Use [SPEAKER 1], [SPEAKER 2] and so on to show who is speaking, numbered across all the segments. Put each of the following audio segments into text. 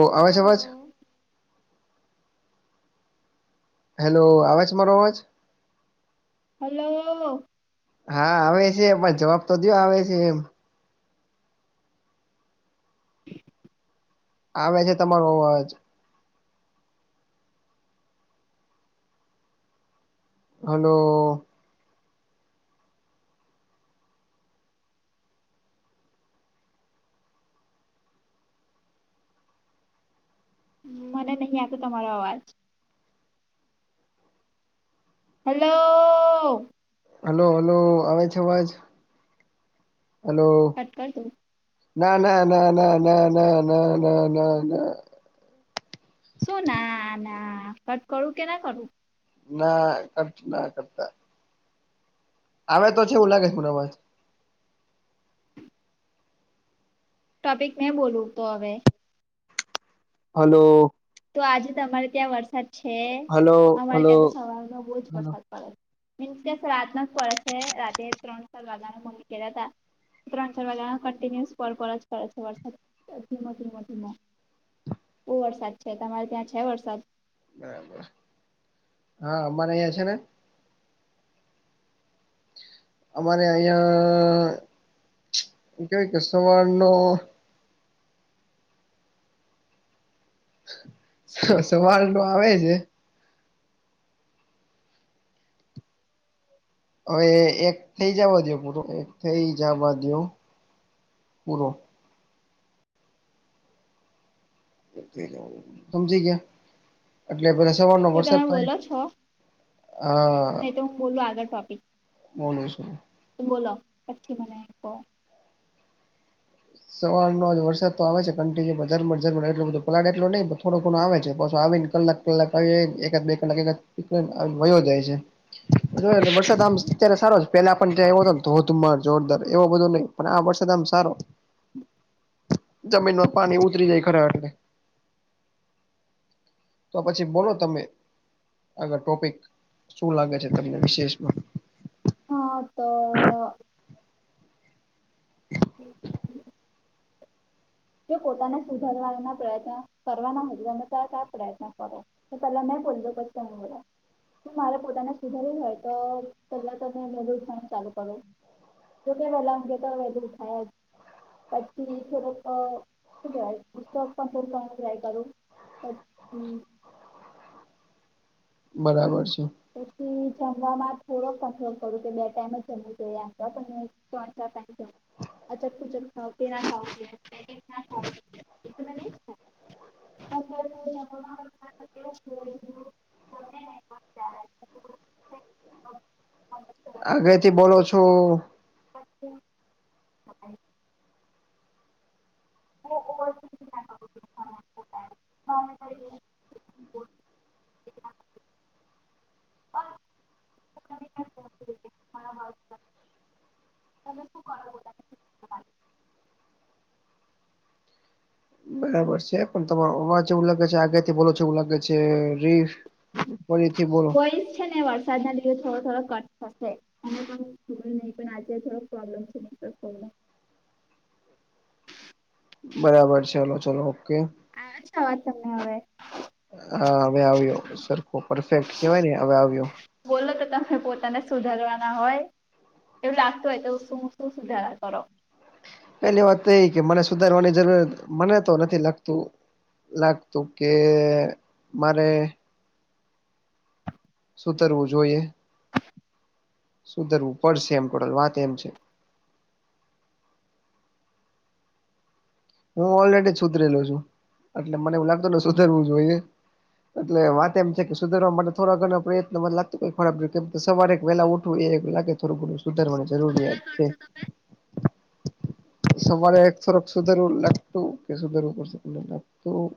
[SPEAKER 1] ઓહ, અવાજ
[SPEAKER 2] હલો
[SPEAKER 1] અવાજ. હેલો, અવાજ મારો અવાજ.
[SPEAKER 2] હલો.
[SPEAKER 1] હા, આવે છે, પણ જવાબ તો દયો આવે છે એમ. આવે છે તમારો અવાજ. હલો.
[SPEAKER 2] મને નહીં આપ, તમારો અવાજ. હલો.
[SPEAKER 1] હલો, હલો, આવે છે અવાજ? હલો,
[SPEAKER 2] કટ કર તું
[SPEAKER 1] ના, ના, ના, ના, ના, ના, ના, ના, ના, ના.
[SPEAKER 2] શું? ના, ના, કટ કરું? કે ના કરું?
[SPEAKER 1] ના કટ, ના કરતા. આવે તો છેવું લાગે છે મરાવાજ
[SPEAKER 2] ટોપિક મેં બોલું તો હવે
[SPEAKER 1] હલો.
[SPEAKER 2] તો આજે તમારે ત્યાં વરસાદ છે
[SPEAKER 1] હલો
[SPEAKER 2] અમારે
[SPEAKER 1] હલો
[SPEAKER 2] ત્યાં તો સવારનો બોજ
[SPEAKER 1] હલો
[SPEAKER 2] વરસાદ પડે મીન્સ કેસ રાત ન પડે છે રાતેે ત્રણ સાાર વાગને મમ્મી કેહેતા ત્રણ ચાર વાગ્યા કન્ટિન્યુઅસ પર પર જ કરે છે વરસાદ ધીમો ધીમો ધીમો બુ વરસાદ છે તમારે ત્યાં છે વરસાદ
[SPEAKER 1] બરાબર હા અમારા અહીંયા છે ને અમારે અહિયાં કેવાય કે સવાર નો- - સવાલ તો આવે છે. હવે એક થઇ જવા દો પૂરો એક થઇ જવા દો પૂરો- - સમજી ગયા એટલે બધા સવાર ન
[SPEAKER 2] તો
[SPEAKER 1] વરસાદ
[SPEAKER 2] તમે બોલો
[SPEAKER 1] થાય- -
[SPEAKER 2] છો
[SPEAKER 1] હા- -
[SPEAKER 2] નહી તો હું બોલું આગળ ટોપિક- -
[SPEAKER 1] બોનું શો- -
[SPEAKER 2] બોલો પછી મને કો- -
[SPEAKER 1] સવારનો જ વરસાદ તો આવે છે કન્ટિન્યુ ઝમ ઝમ એટલો બધો પલાટ એટલો નહીં થોડો ઘણો આવે છે પાછ આવી ને કલાક- - કલાક આવી એકાદ બે કલાક એક વયો જાય છે. જો વરસાદ આમ અત્યારે સારો છે પેલા આપ ત્યાં આવ્યો હતો તો હોતુમર જોરદાર એવો બધો નહીં- - પણ આ વરસાદ તો આમ સારો. જમીન ન પાણી ઉતરી જાય ખરે વખ- - તો પછી બોલો તમે- - આગળ ટોપિક શું લાગે છે તમને વિશેષમાં- -
[SPEAKER 2] હા તો- - હમ. જો પોતાને સુધારવાના પ્રયત્ન કરવાના હો તમે તરત આ પ્રયત્ન કરો- - તો તલા મેં બોજો ક મોર- - મારે પોતાને સુધાર્યું હોય તો પહેલાં તમે વહેલું ઉઠાણું ચાલુ કરો- - જોકે પહેલા અતો વધેું થા પછી થોડું- - ડ્રાય પતક સંપર્ ક ફ્રાય કરું- - હમ- -
[SPEAKER 1] બરાબર છે.
[SPEAKER 2] પછી જમવામાં થોડોક કંટ્રોલ કરું કે બે ટાઈમ જ જમું તો જ પણ- - ઓ સર થેન્ક યુ. [unintelligible] [inaudible] ત્યારે- -
[SPEAKER 1] આગળથી બોલો છો.
[SPEAKER 2] અત્યાય. હા- - એી- - હા.
[SPEAKER 1] [inaudible]
[SPEAKER 2] રા તમે ખબ- -
[SPEAKER 1] બરાબર છે પણ તમારો અવાજ એવું લાગે છે આગાથી ભોલો છ એવું લાગે છે રીફ- - [unintelligible]
[SPEAKER 2] એ છે ને વરસાદ ના દિવસ થોડો થોડો કટ થશે. ને પણ ખબર નહીં પણ આજે થોડોક પ્રોબ્લેમ છે [unintelligible]
[SPEAKER 1] બરાબર છે હાલો ચલો ઓકે
[SPEAKER 2] આછા વાત તમને હવે
[SPEAKER 1] હા હવે આવ્યો સરખો પરફેક્ટ કેવાય ને હવે આવ્યો.
[SPEAKER 2] બોલો તો તમે પોતાને સુધારવાના હોય. એવું લાગતો હોય તો શું શું સુધાર કરો.
[SPEAKER 1] પેલી વાત તો એ કે મને સુધારવાની જરૂરત મને તો નથી લાગતું. લાગતું કે મારે સુધરવું જોઈએ, સુધરવું પડશે એમ ટોટલ વાત એમ છે. હું ઓલરેડી સુધરેલો છું એટલે મને એવું લાગતો ને સુધરવું જોઈએ. એટલે વાત એમ છે કે સુધારવા માટે થોડા ઘણ પ્રયત્ન માં લાગતો ખરાબ કેમ સવારે એક વલા ઉ એ લાગે થોડું ગરું. સુધારવા જરૂરિયાત છે, સવારે એક થોક સુધરવું લાગતું કે સુધરવું પડશે લતું.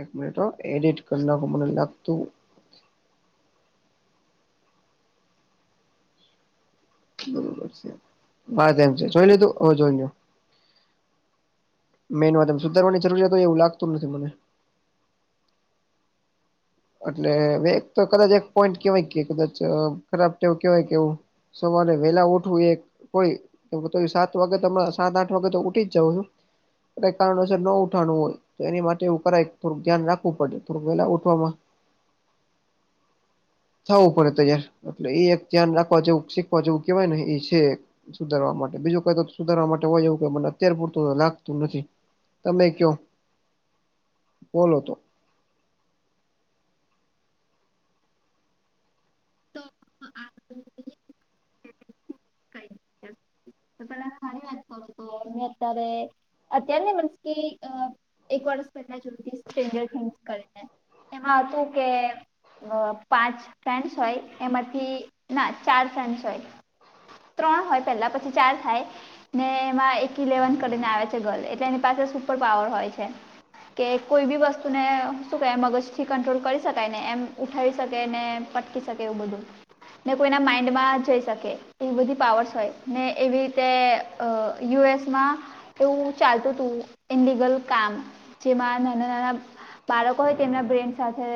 [SPEAKER 1] એક મિનિટ હો એડિટ કર નાખું મને લાગતું બરોબર શે. વાત એમ છે જોઈ લીધું હવે જોઈલો. મેન વાત એમ સુધારવાની જરૂરિયાત હોય એવું લાગતું નથી મને. એટલે વેત તો કદાચ એક પોઈન્ટ કેવાય કે કદાચ ખરાબવું કેવાય કેવું. સવારે વેલા ઉઠવું એક કોઈ, હવે સાત વાગે તો સાત આઠ વાગે તો ઉઠી જ જાવ છું. કઈક કારણોસર ન ઉઠાનું હોય. તો એની માટે એવું કર થોડુંક ધ્યાન રાખવું પડે થોડક વેલા ઉઠવામાં. થવું પડે તૈયાર એટલે એ એક ધ્યાન રાખવા જેવ, શીખવા જેવું કેવાય ને એ છે. સુધારવા માટે બીજું કઈ તો સુધારવા માટે હોય એવું કે મન અત્યારે પૂરતું લાગતું નથી. તમે કયો? બોલો તો.
[SPEAKER 2] [inaudible] કઈની ચલ. તો પેલા મારી વાત કર હતો મે અત્યારે અત્યારે નથી અ એક વર્સ પહેલા જથીસ સ્ટન્જર થિસ કરને. એમાં હતું કે અ પાંચ ફ્રેન્ડ્સ હોય એમાંથી ના ચાર ફ્રેન્ડ્સ હોય. ત્રણ હોય પેલા પછી ચાર થાય. ને એમાં એક ઇલેવન કરીને આવે છે ગર્લ એટલે એની પાસે સુપર પાવર હોય છે. કે કોઈ બી વસ્તુને શું કે એ મગજ થી કંટ્રોલ કરી શકાય ને એમ ઉઠાવી શકે ને પ કરી શકે. એવું બધું ને કોઈના માઇન્ડમાં જઈ શકે એવી બધી પાવર્સ હોય. ને એવી રીતે અ યુ એસ માં એવું ચાલતું તું ઇનલીગલ કામ જેમાં નાના નાના બાળકો હોય તેમના બ્રેન સાથે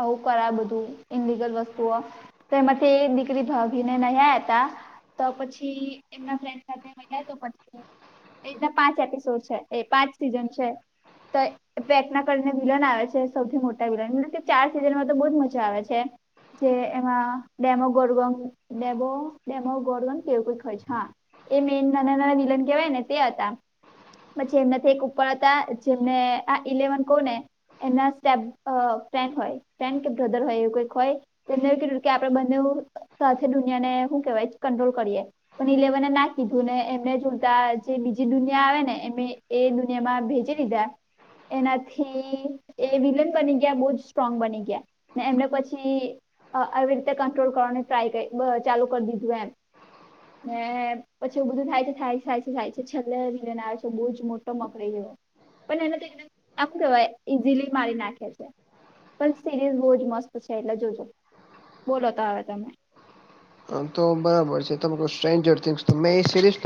[SPEAKER 2] આવું કરાય બધું ઇનલગલ વસ્તુઓ તો એમાંથી દીકરી ભાગીને નહયા હતા તો પછી એમના ફ્રેન્ડ સાથે પછી એ રીતના પાંચ એપિસોડ છે એ પાંચ સીઝન છે. તે પ્રયત્ન કરીને વિલન આવે છે સૌથી મોટા વિલન કે ચાર સીઝનમાં તો બહુ જ મજા આવે છે. જે એમાં Demogorgon demo Demogorgon કેવું કઈક હોય છે. હા એ મેન નાના નાના વિલન કહેવાય ને તે હતા. પછી એમનાથી એક ઉપર હતા જેમને આ ઇલેવન કોહ ને એમના સ્ટેપ અ ફ્રેન્ડ હોય ફ્રેન્ડ કે બ્રધર હોય એવું કોઈક હોય. તેમને કીધું કે આપડે બંને સાથે દુનિયાને શું કેવાય કંટ્રોલ કરીએ. પણ ઈલેેવને ના કીધું ને એમને જોતા જે બીજી દુનિયા આવે ને એ એ દુનિયામાં ભેજે દીધા એનાથી એ વિલન બની ગયા બહ જ સ્ટ્રોંગ બની ગયા. ને એમને પછી આવી રીતે કંટ્રોલ કરવાની ટ્રાય કરી ચાલુ કરી દીધું એમ. ને પછી એવુ બધું થાય છે થાય છે થાય છે થાય છે છેલ્લે ભી લને આવે છે બહુ જ મોટો મકરાઈ ગયો. પણ એને [inaudible] આમ કેહેવાય ઈઝીલી મારી નાખે છે. પણ સિરીઝ બહુ જ મસ્ત છે એટલે જોજો બોલો તો હવ તમે.
[SPEAKER 1] તો બરાબર છે ત સ્ટજર મે સરીઝ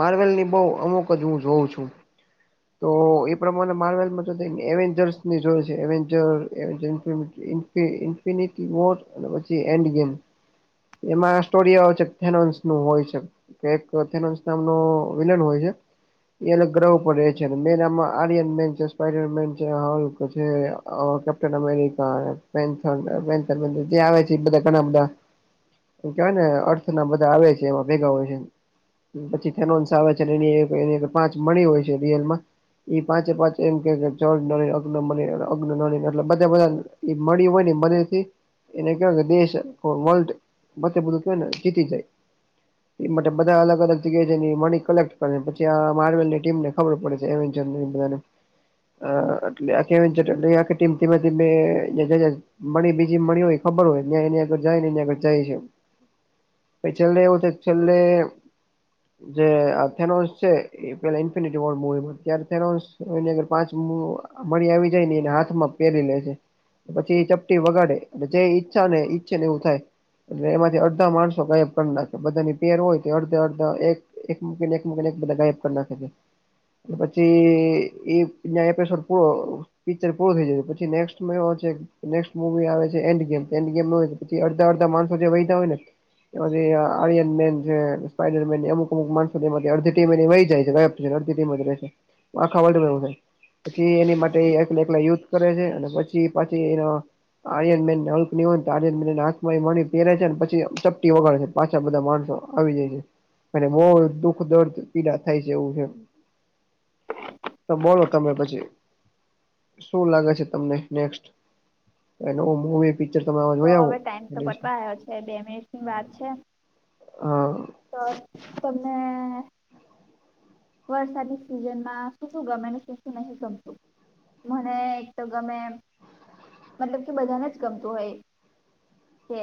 [SPEAKER 1] માર્વેલ ની બ અમુક જ હું જોઉં છું. તો એ પ્રમાણે માર્વેલમાં જો થ એવેન્જર્સની જોએ છે. વેન્જર કે ઇફિનિટી વોટ અને પછી એન્ડ ગેમ. એમાં સ્ટોરી આવે છે થનોન્ નું હોય છે. એક નામ ન વિલન હોય છે. એ અલગ ગ્રહ ઉપ ર છે મેન આમાં આર્યન મેન છે સ્પડ મેન છે હક છે. કેપન અમેરિકા જે આવે છે બધા ઘણા બધા. એ કેહેવાય ને અર્થ ના બધા આવે છે એમાં ભેગા હોય છેને પછી થેનોન્ આવે છે એની પાંચ મળી હોય છે રિયલમાં ઈ પાંચે પાંચ એમ કે ચળ નળ અગ્ન મળ અગ્ન નળને એટલે બધા બધા એ મળી હોય ને મદથી એને કવાય કે દેશ વર્લ્ડ વચ્ે બધું કેવાય ને જીતી જાય એ માટે બધા અલગ અલગ જગ્યા છે મની કલેક્ટ કરે ને પછી આ માર્વેલ ની ટીમને અળ પડ છે એમ અ એટલે આ ટથી મી બીજી મળી હોય ખબર હોય ત્યા એં આગળ જાયને એંયા આગળ જાય છે પ ચલ ર ઉ તો ચલ ર જે થેનોન્સ છે એ પેલા ઇન્ફિનિ મુવીમાં ત્યારે થનોન્ની પાંચ મળી આવી જાય ને એને હાથમાં પહેરી લે છે પછી ચપટી વગાડે જે ઈ્છા ઈચ્છ ને એવું થાય એટલે એમાંથી અડધા માણસો ક પણ ના બધાની પેર હોય અડધા અડધા એક એક મકીને એક મકને એક બધા ગાયબ કરી નાખે છે પછી એ ન્યાયપેશર પૂરો પિક્ચર પૂરું થઈ જાયું પછી નેક્સ્ટમાં એ છે નેક્સ્ટ મુવી આવે છે એન્ડ ગેમ એન્ડ ગેમ પછી અડધા અડધા માણો જે વહીતા હોય ને એમાં આર્યન મેન છે સ્પાઈડર મેન અમુક અમુક માસો એ અડધીીમે એહી જાય છે જ રહે ખાવાવું થ પછી એની માટે એકલે એકલા યુદ્ધ કરે છે અને પછી પછ પછી આર મે આર મણી પહેરે છે ને પછી ચપટી વગાડે છે પાછા બધા માણસો આવી જાય છે અને મો દુઃખ દર્દ પીડા થાય છે એવું છે તો બોલો તમે પછી શું લાગે છે તમને નેક્સ્ટ નવ મવી પિક્ચર ત
[SPEAKER 2] તો
[SPEAKER 1] આવો
[SPEAKER 2] હવે ટાઈમ તો પટવા આવયો છે બે મિનિસ ની વાત છે
[SPEAKER 1] હ
[SPEAKER 2] તો તમે વરસાદીની સિઝનમાં શું શું ગમે શું શું નહીં ગમતું મને એક તો ગમે મતલબ કે બધાને જ ગમતું હોય કે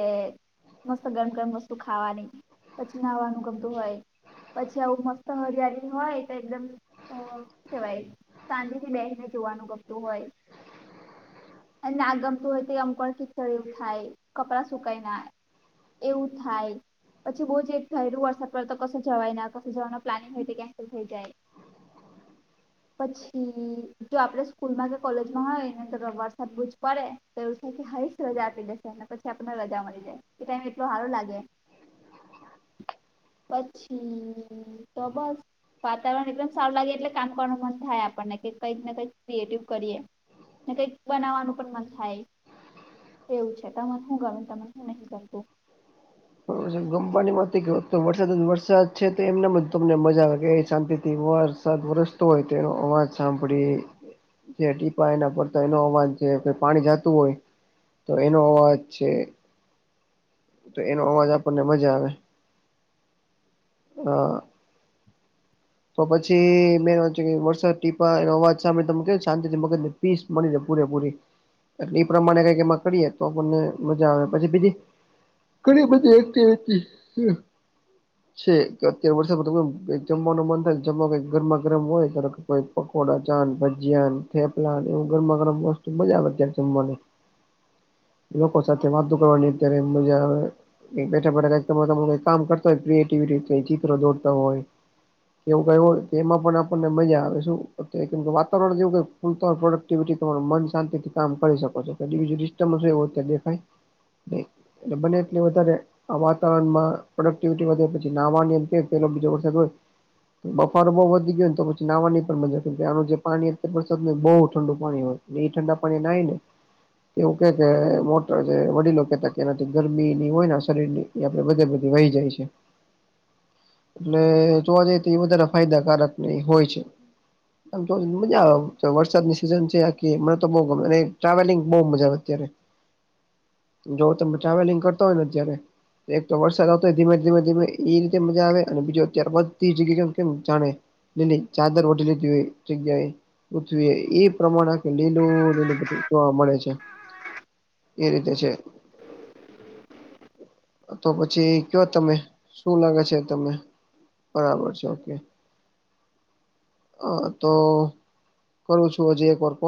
[SPEAKER 2] મસ્ત ગરમ ગરમ વસ્તુ ખાવાની પચી નાહવાનું ગમતું હોય પછી આવું મસ્ત હરિયાળી હોય તો એકદમ શ કેવાય સાાંજે થી બેનને જોવાનું કરતું હોય અને ના ગમતું હોય તો એ અમકળ કીચડ એવું થાય કપડાં સુકાય ના એવું થાય પછી બહુ એક થય રહ્યું વરસાપ પર તો કો જવાયને કો જવાનું પ્લાનિંગ હોય તો ક્યાં હોઈ જાય
[SPEAKER 1] હ
[SPEAKER 2] પછી જો આપણે સ્કૂલમાં કે કોલેજમાં હોય એને તો વરસાદ બુજ પડે તો એવું સા હરીશ રજા આપી દેશે અને પછી આપણને રજા મળી જાય એ ટાઈમ એટલો સારું લાગે પછી તો બસ વાતાવરણ એકદમ સારું લાગે એટલે કામ કરવાનું મન થાય આપણને કે કંઈક ને કંઈક ક્રિએટિવ કરીએ. ને કઈક બનાવવાનું પણ મન થાય. એવું છે તને શું ગમે ને તને હું નહી કરતું?
[SPEAKER 1] બરોબર [inaudible] કે તો વરસાદ જ વરસાદ છે તો એમનામાં જ તમને મજા આવેે એ શાંતિ થી વર વરસાદ વરસતો હોય તેનો અવાજ સાંભળી જે ટીપા એના પડતા એનું અવાન છે કે પાણી જતું હોય તો એનો અવાજ છે. તો એનો અવાજ આપણને મજા આવે. હ તો પછી મેં વરસાદ ટીપા અવાજ સાંભળી તમે [inaudible] શાંતિથી મગજ પીસ મળી રહે પૂરેપૂરી એટલે એ પ્રમાણે કઈક એમાં કરી એ તો આપણને મજા આવે પછી બીજી ઘણી બધી એક્ટિવિટી છે કે અત્યારે [inaudible] જમવાનું મન થાય જમવા કઈ ગરમા ગરમ હોય. કોઈ પકોડા, ચાન, ભજીયાન, થેપલા ન એવું ગરમા ગરમ વસ્તુ મજા આવે ત્યારે જમવાની લોકો સાથે વાતુ કરવાની અત્યારે એમ મજા આવે. [inaudible] કામ કરતા હોય ક્રિએટિવિટી ચિત્રો દોરતા હોય. કેવું કાઈ હોય તો એમાં પણ આપણને મજા આવે શું કેમ કે વાતાવરણ જેવું ક પ્રોડક્ટિવિટી તમારુ મન શાંતિથી કામ કરી શકો છો ડિસ્ટર્બન્સ હોય દેખાય. એટ બને એટલે વધારે આ વાતાવરણમાં પ્રોડક્ટિવિટી વધ નાવામ કે પેલો બીજો વરસાદ હોય. બફારો બહુ વધી ગયો હો તો પછી નાહવાની પણ મજા આનું જે પાણી અત્યારે વરસાદ ન બહુ ઠંડુ પાણી હોય. એ ઠંડા પાણી નાઈ ને એવું કે કે મોટર વડીલો કેતા કેના ગરમી ની હોય ને શરીરની એ આપડે બધે બધી વહી જાય છે. એટલે જોવા જઈએ તો એ વધારે ફાયદાકારક હોય છે. આમ તો મજા આવે વરસાદની સિઝન છે [inaudible] ગમે ટ્રાવેલિંગ બહુ મજા આવે અત્યારે જો તમે ટ્રાવેલિંગ કરતા હોય ને અત્યારે એક તો વરસાદ આવતો હોય ધીમે ધીમે ધીમે એ રીતે મજા આવે અને બીજું અત્યારબધી જગ્યા કેમ જાણે લીલી ચાદર ઓઢી લીધી હોય [inaudible] પૃથ્વી એ પ્રમાણે લીલું લીલું બધું જોવા મળે છે. એ રીતે છે. તો પછી કયો તમે? શું લાગે છે? તમે બરાબર છે ઓકે. હ તો કરું છું હજી એક વાર કો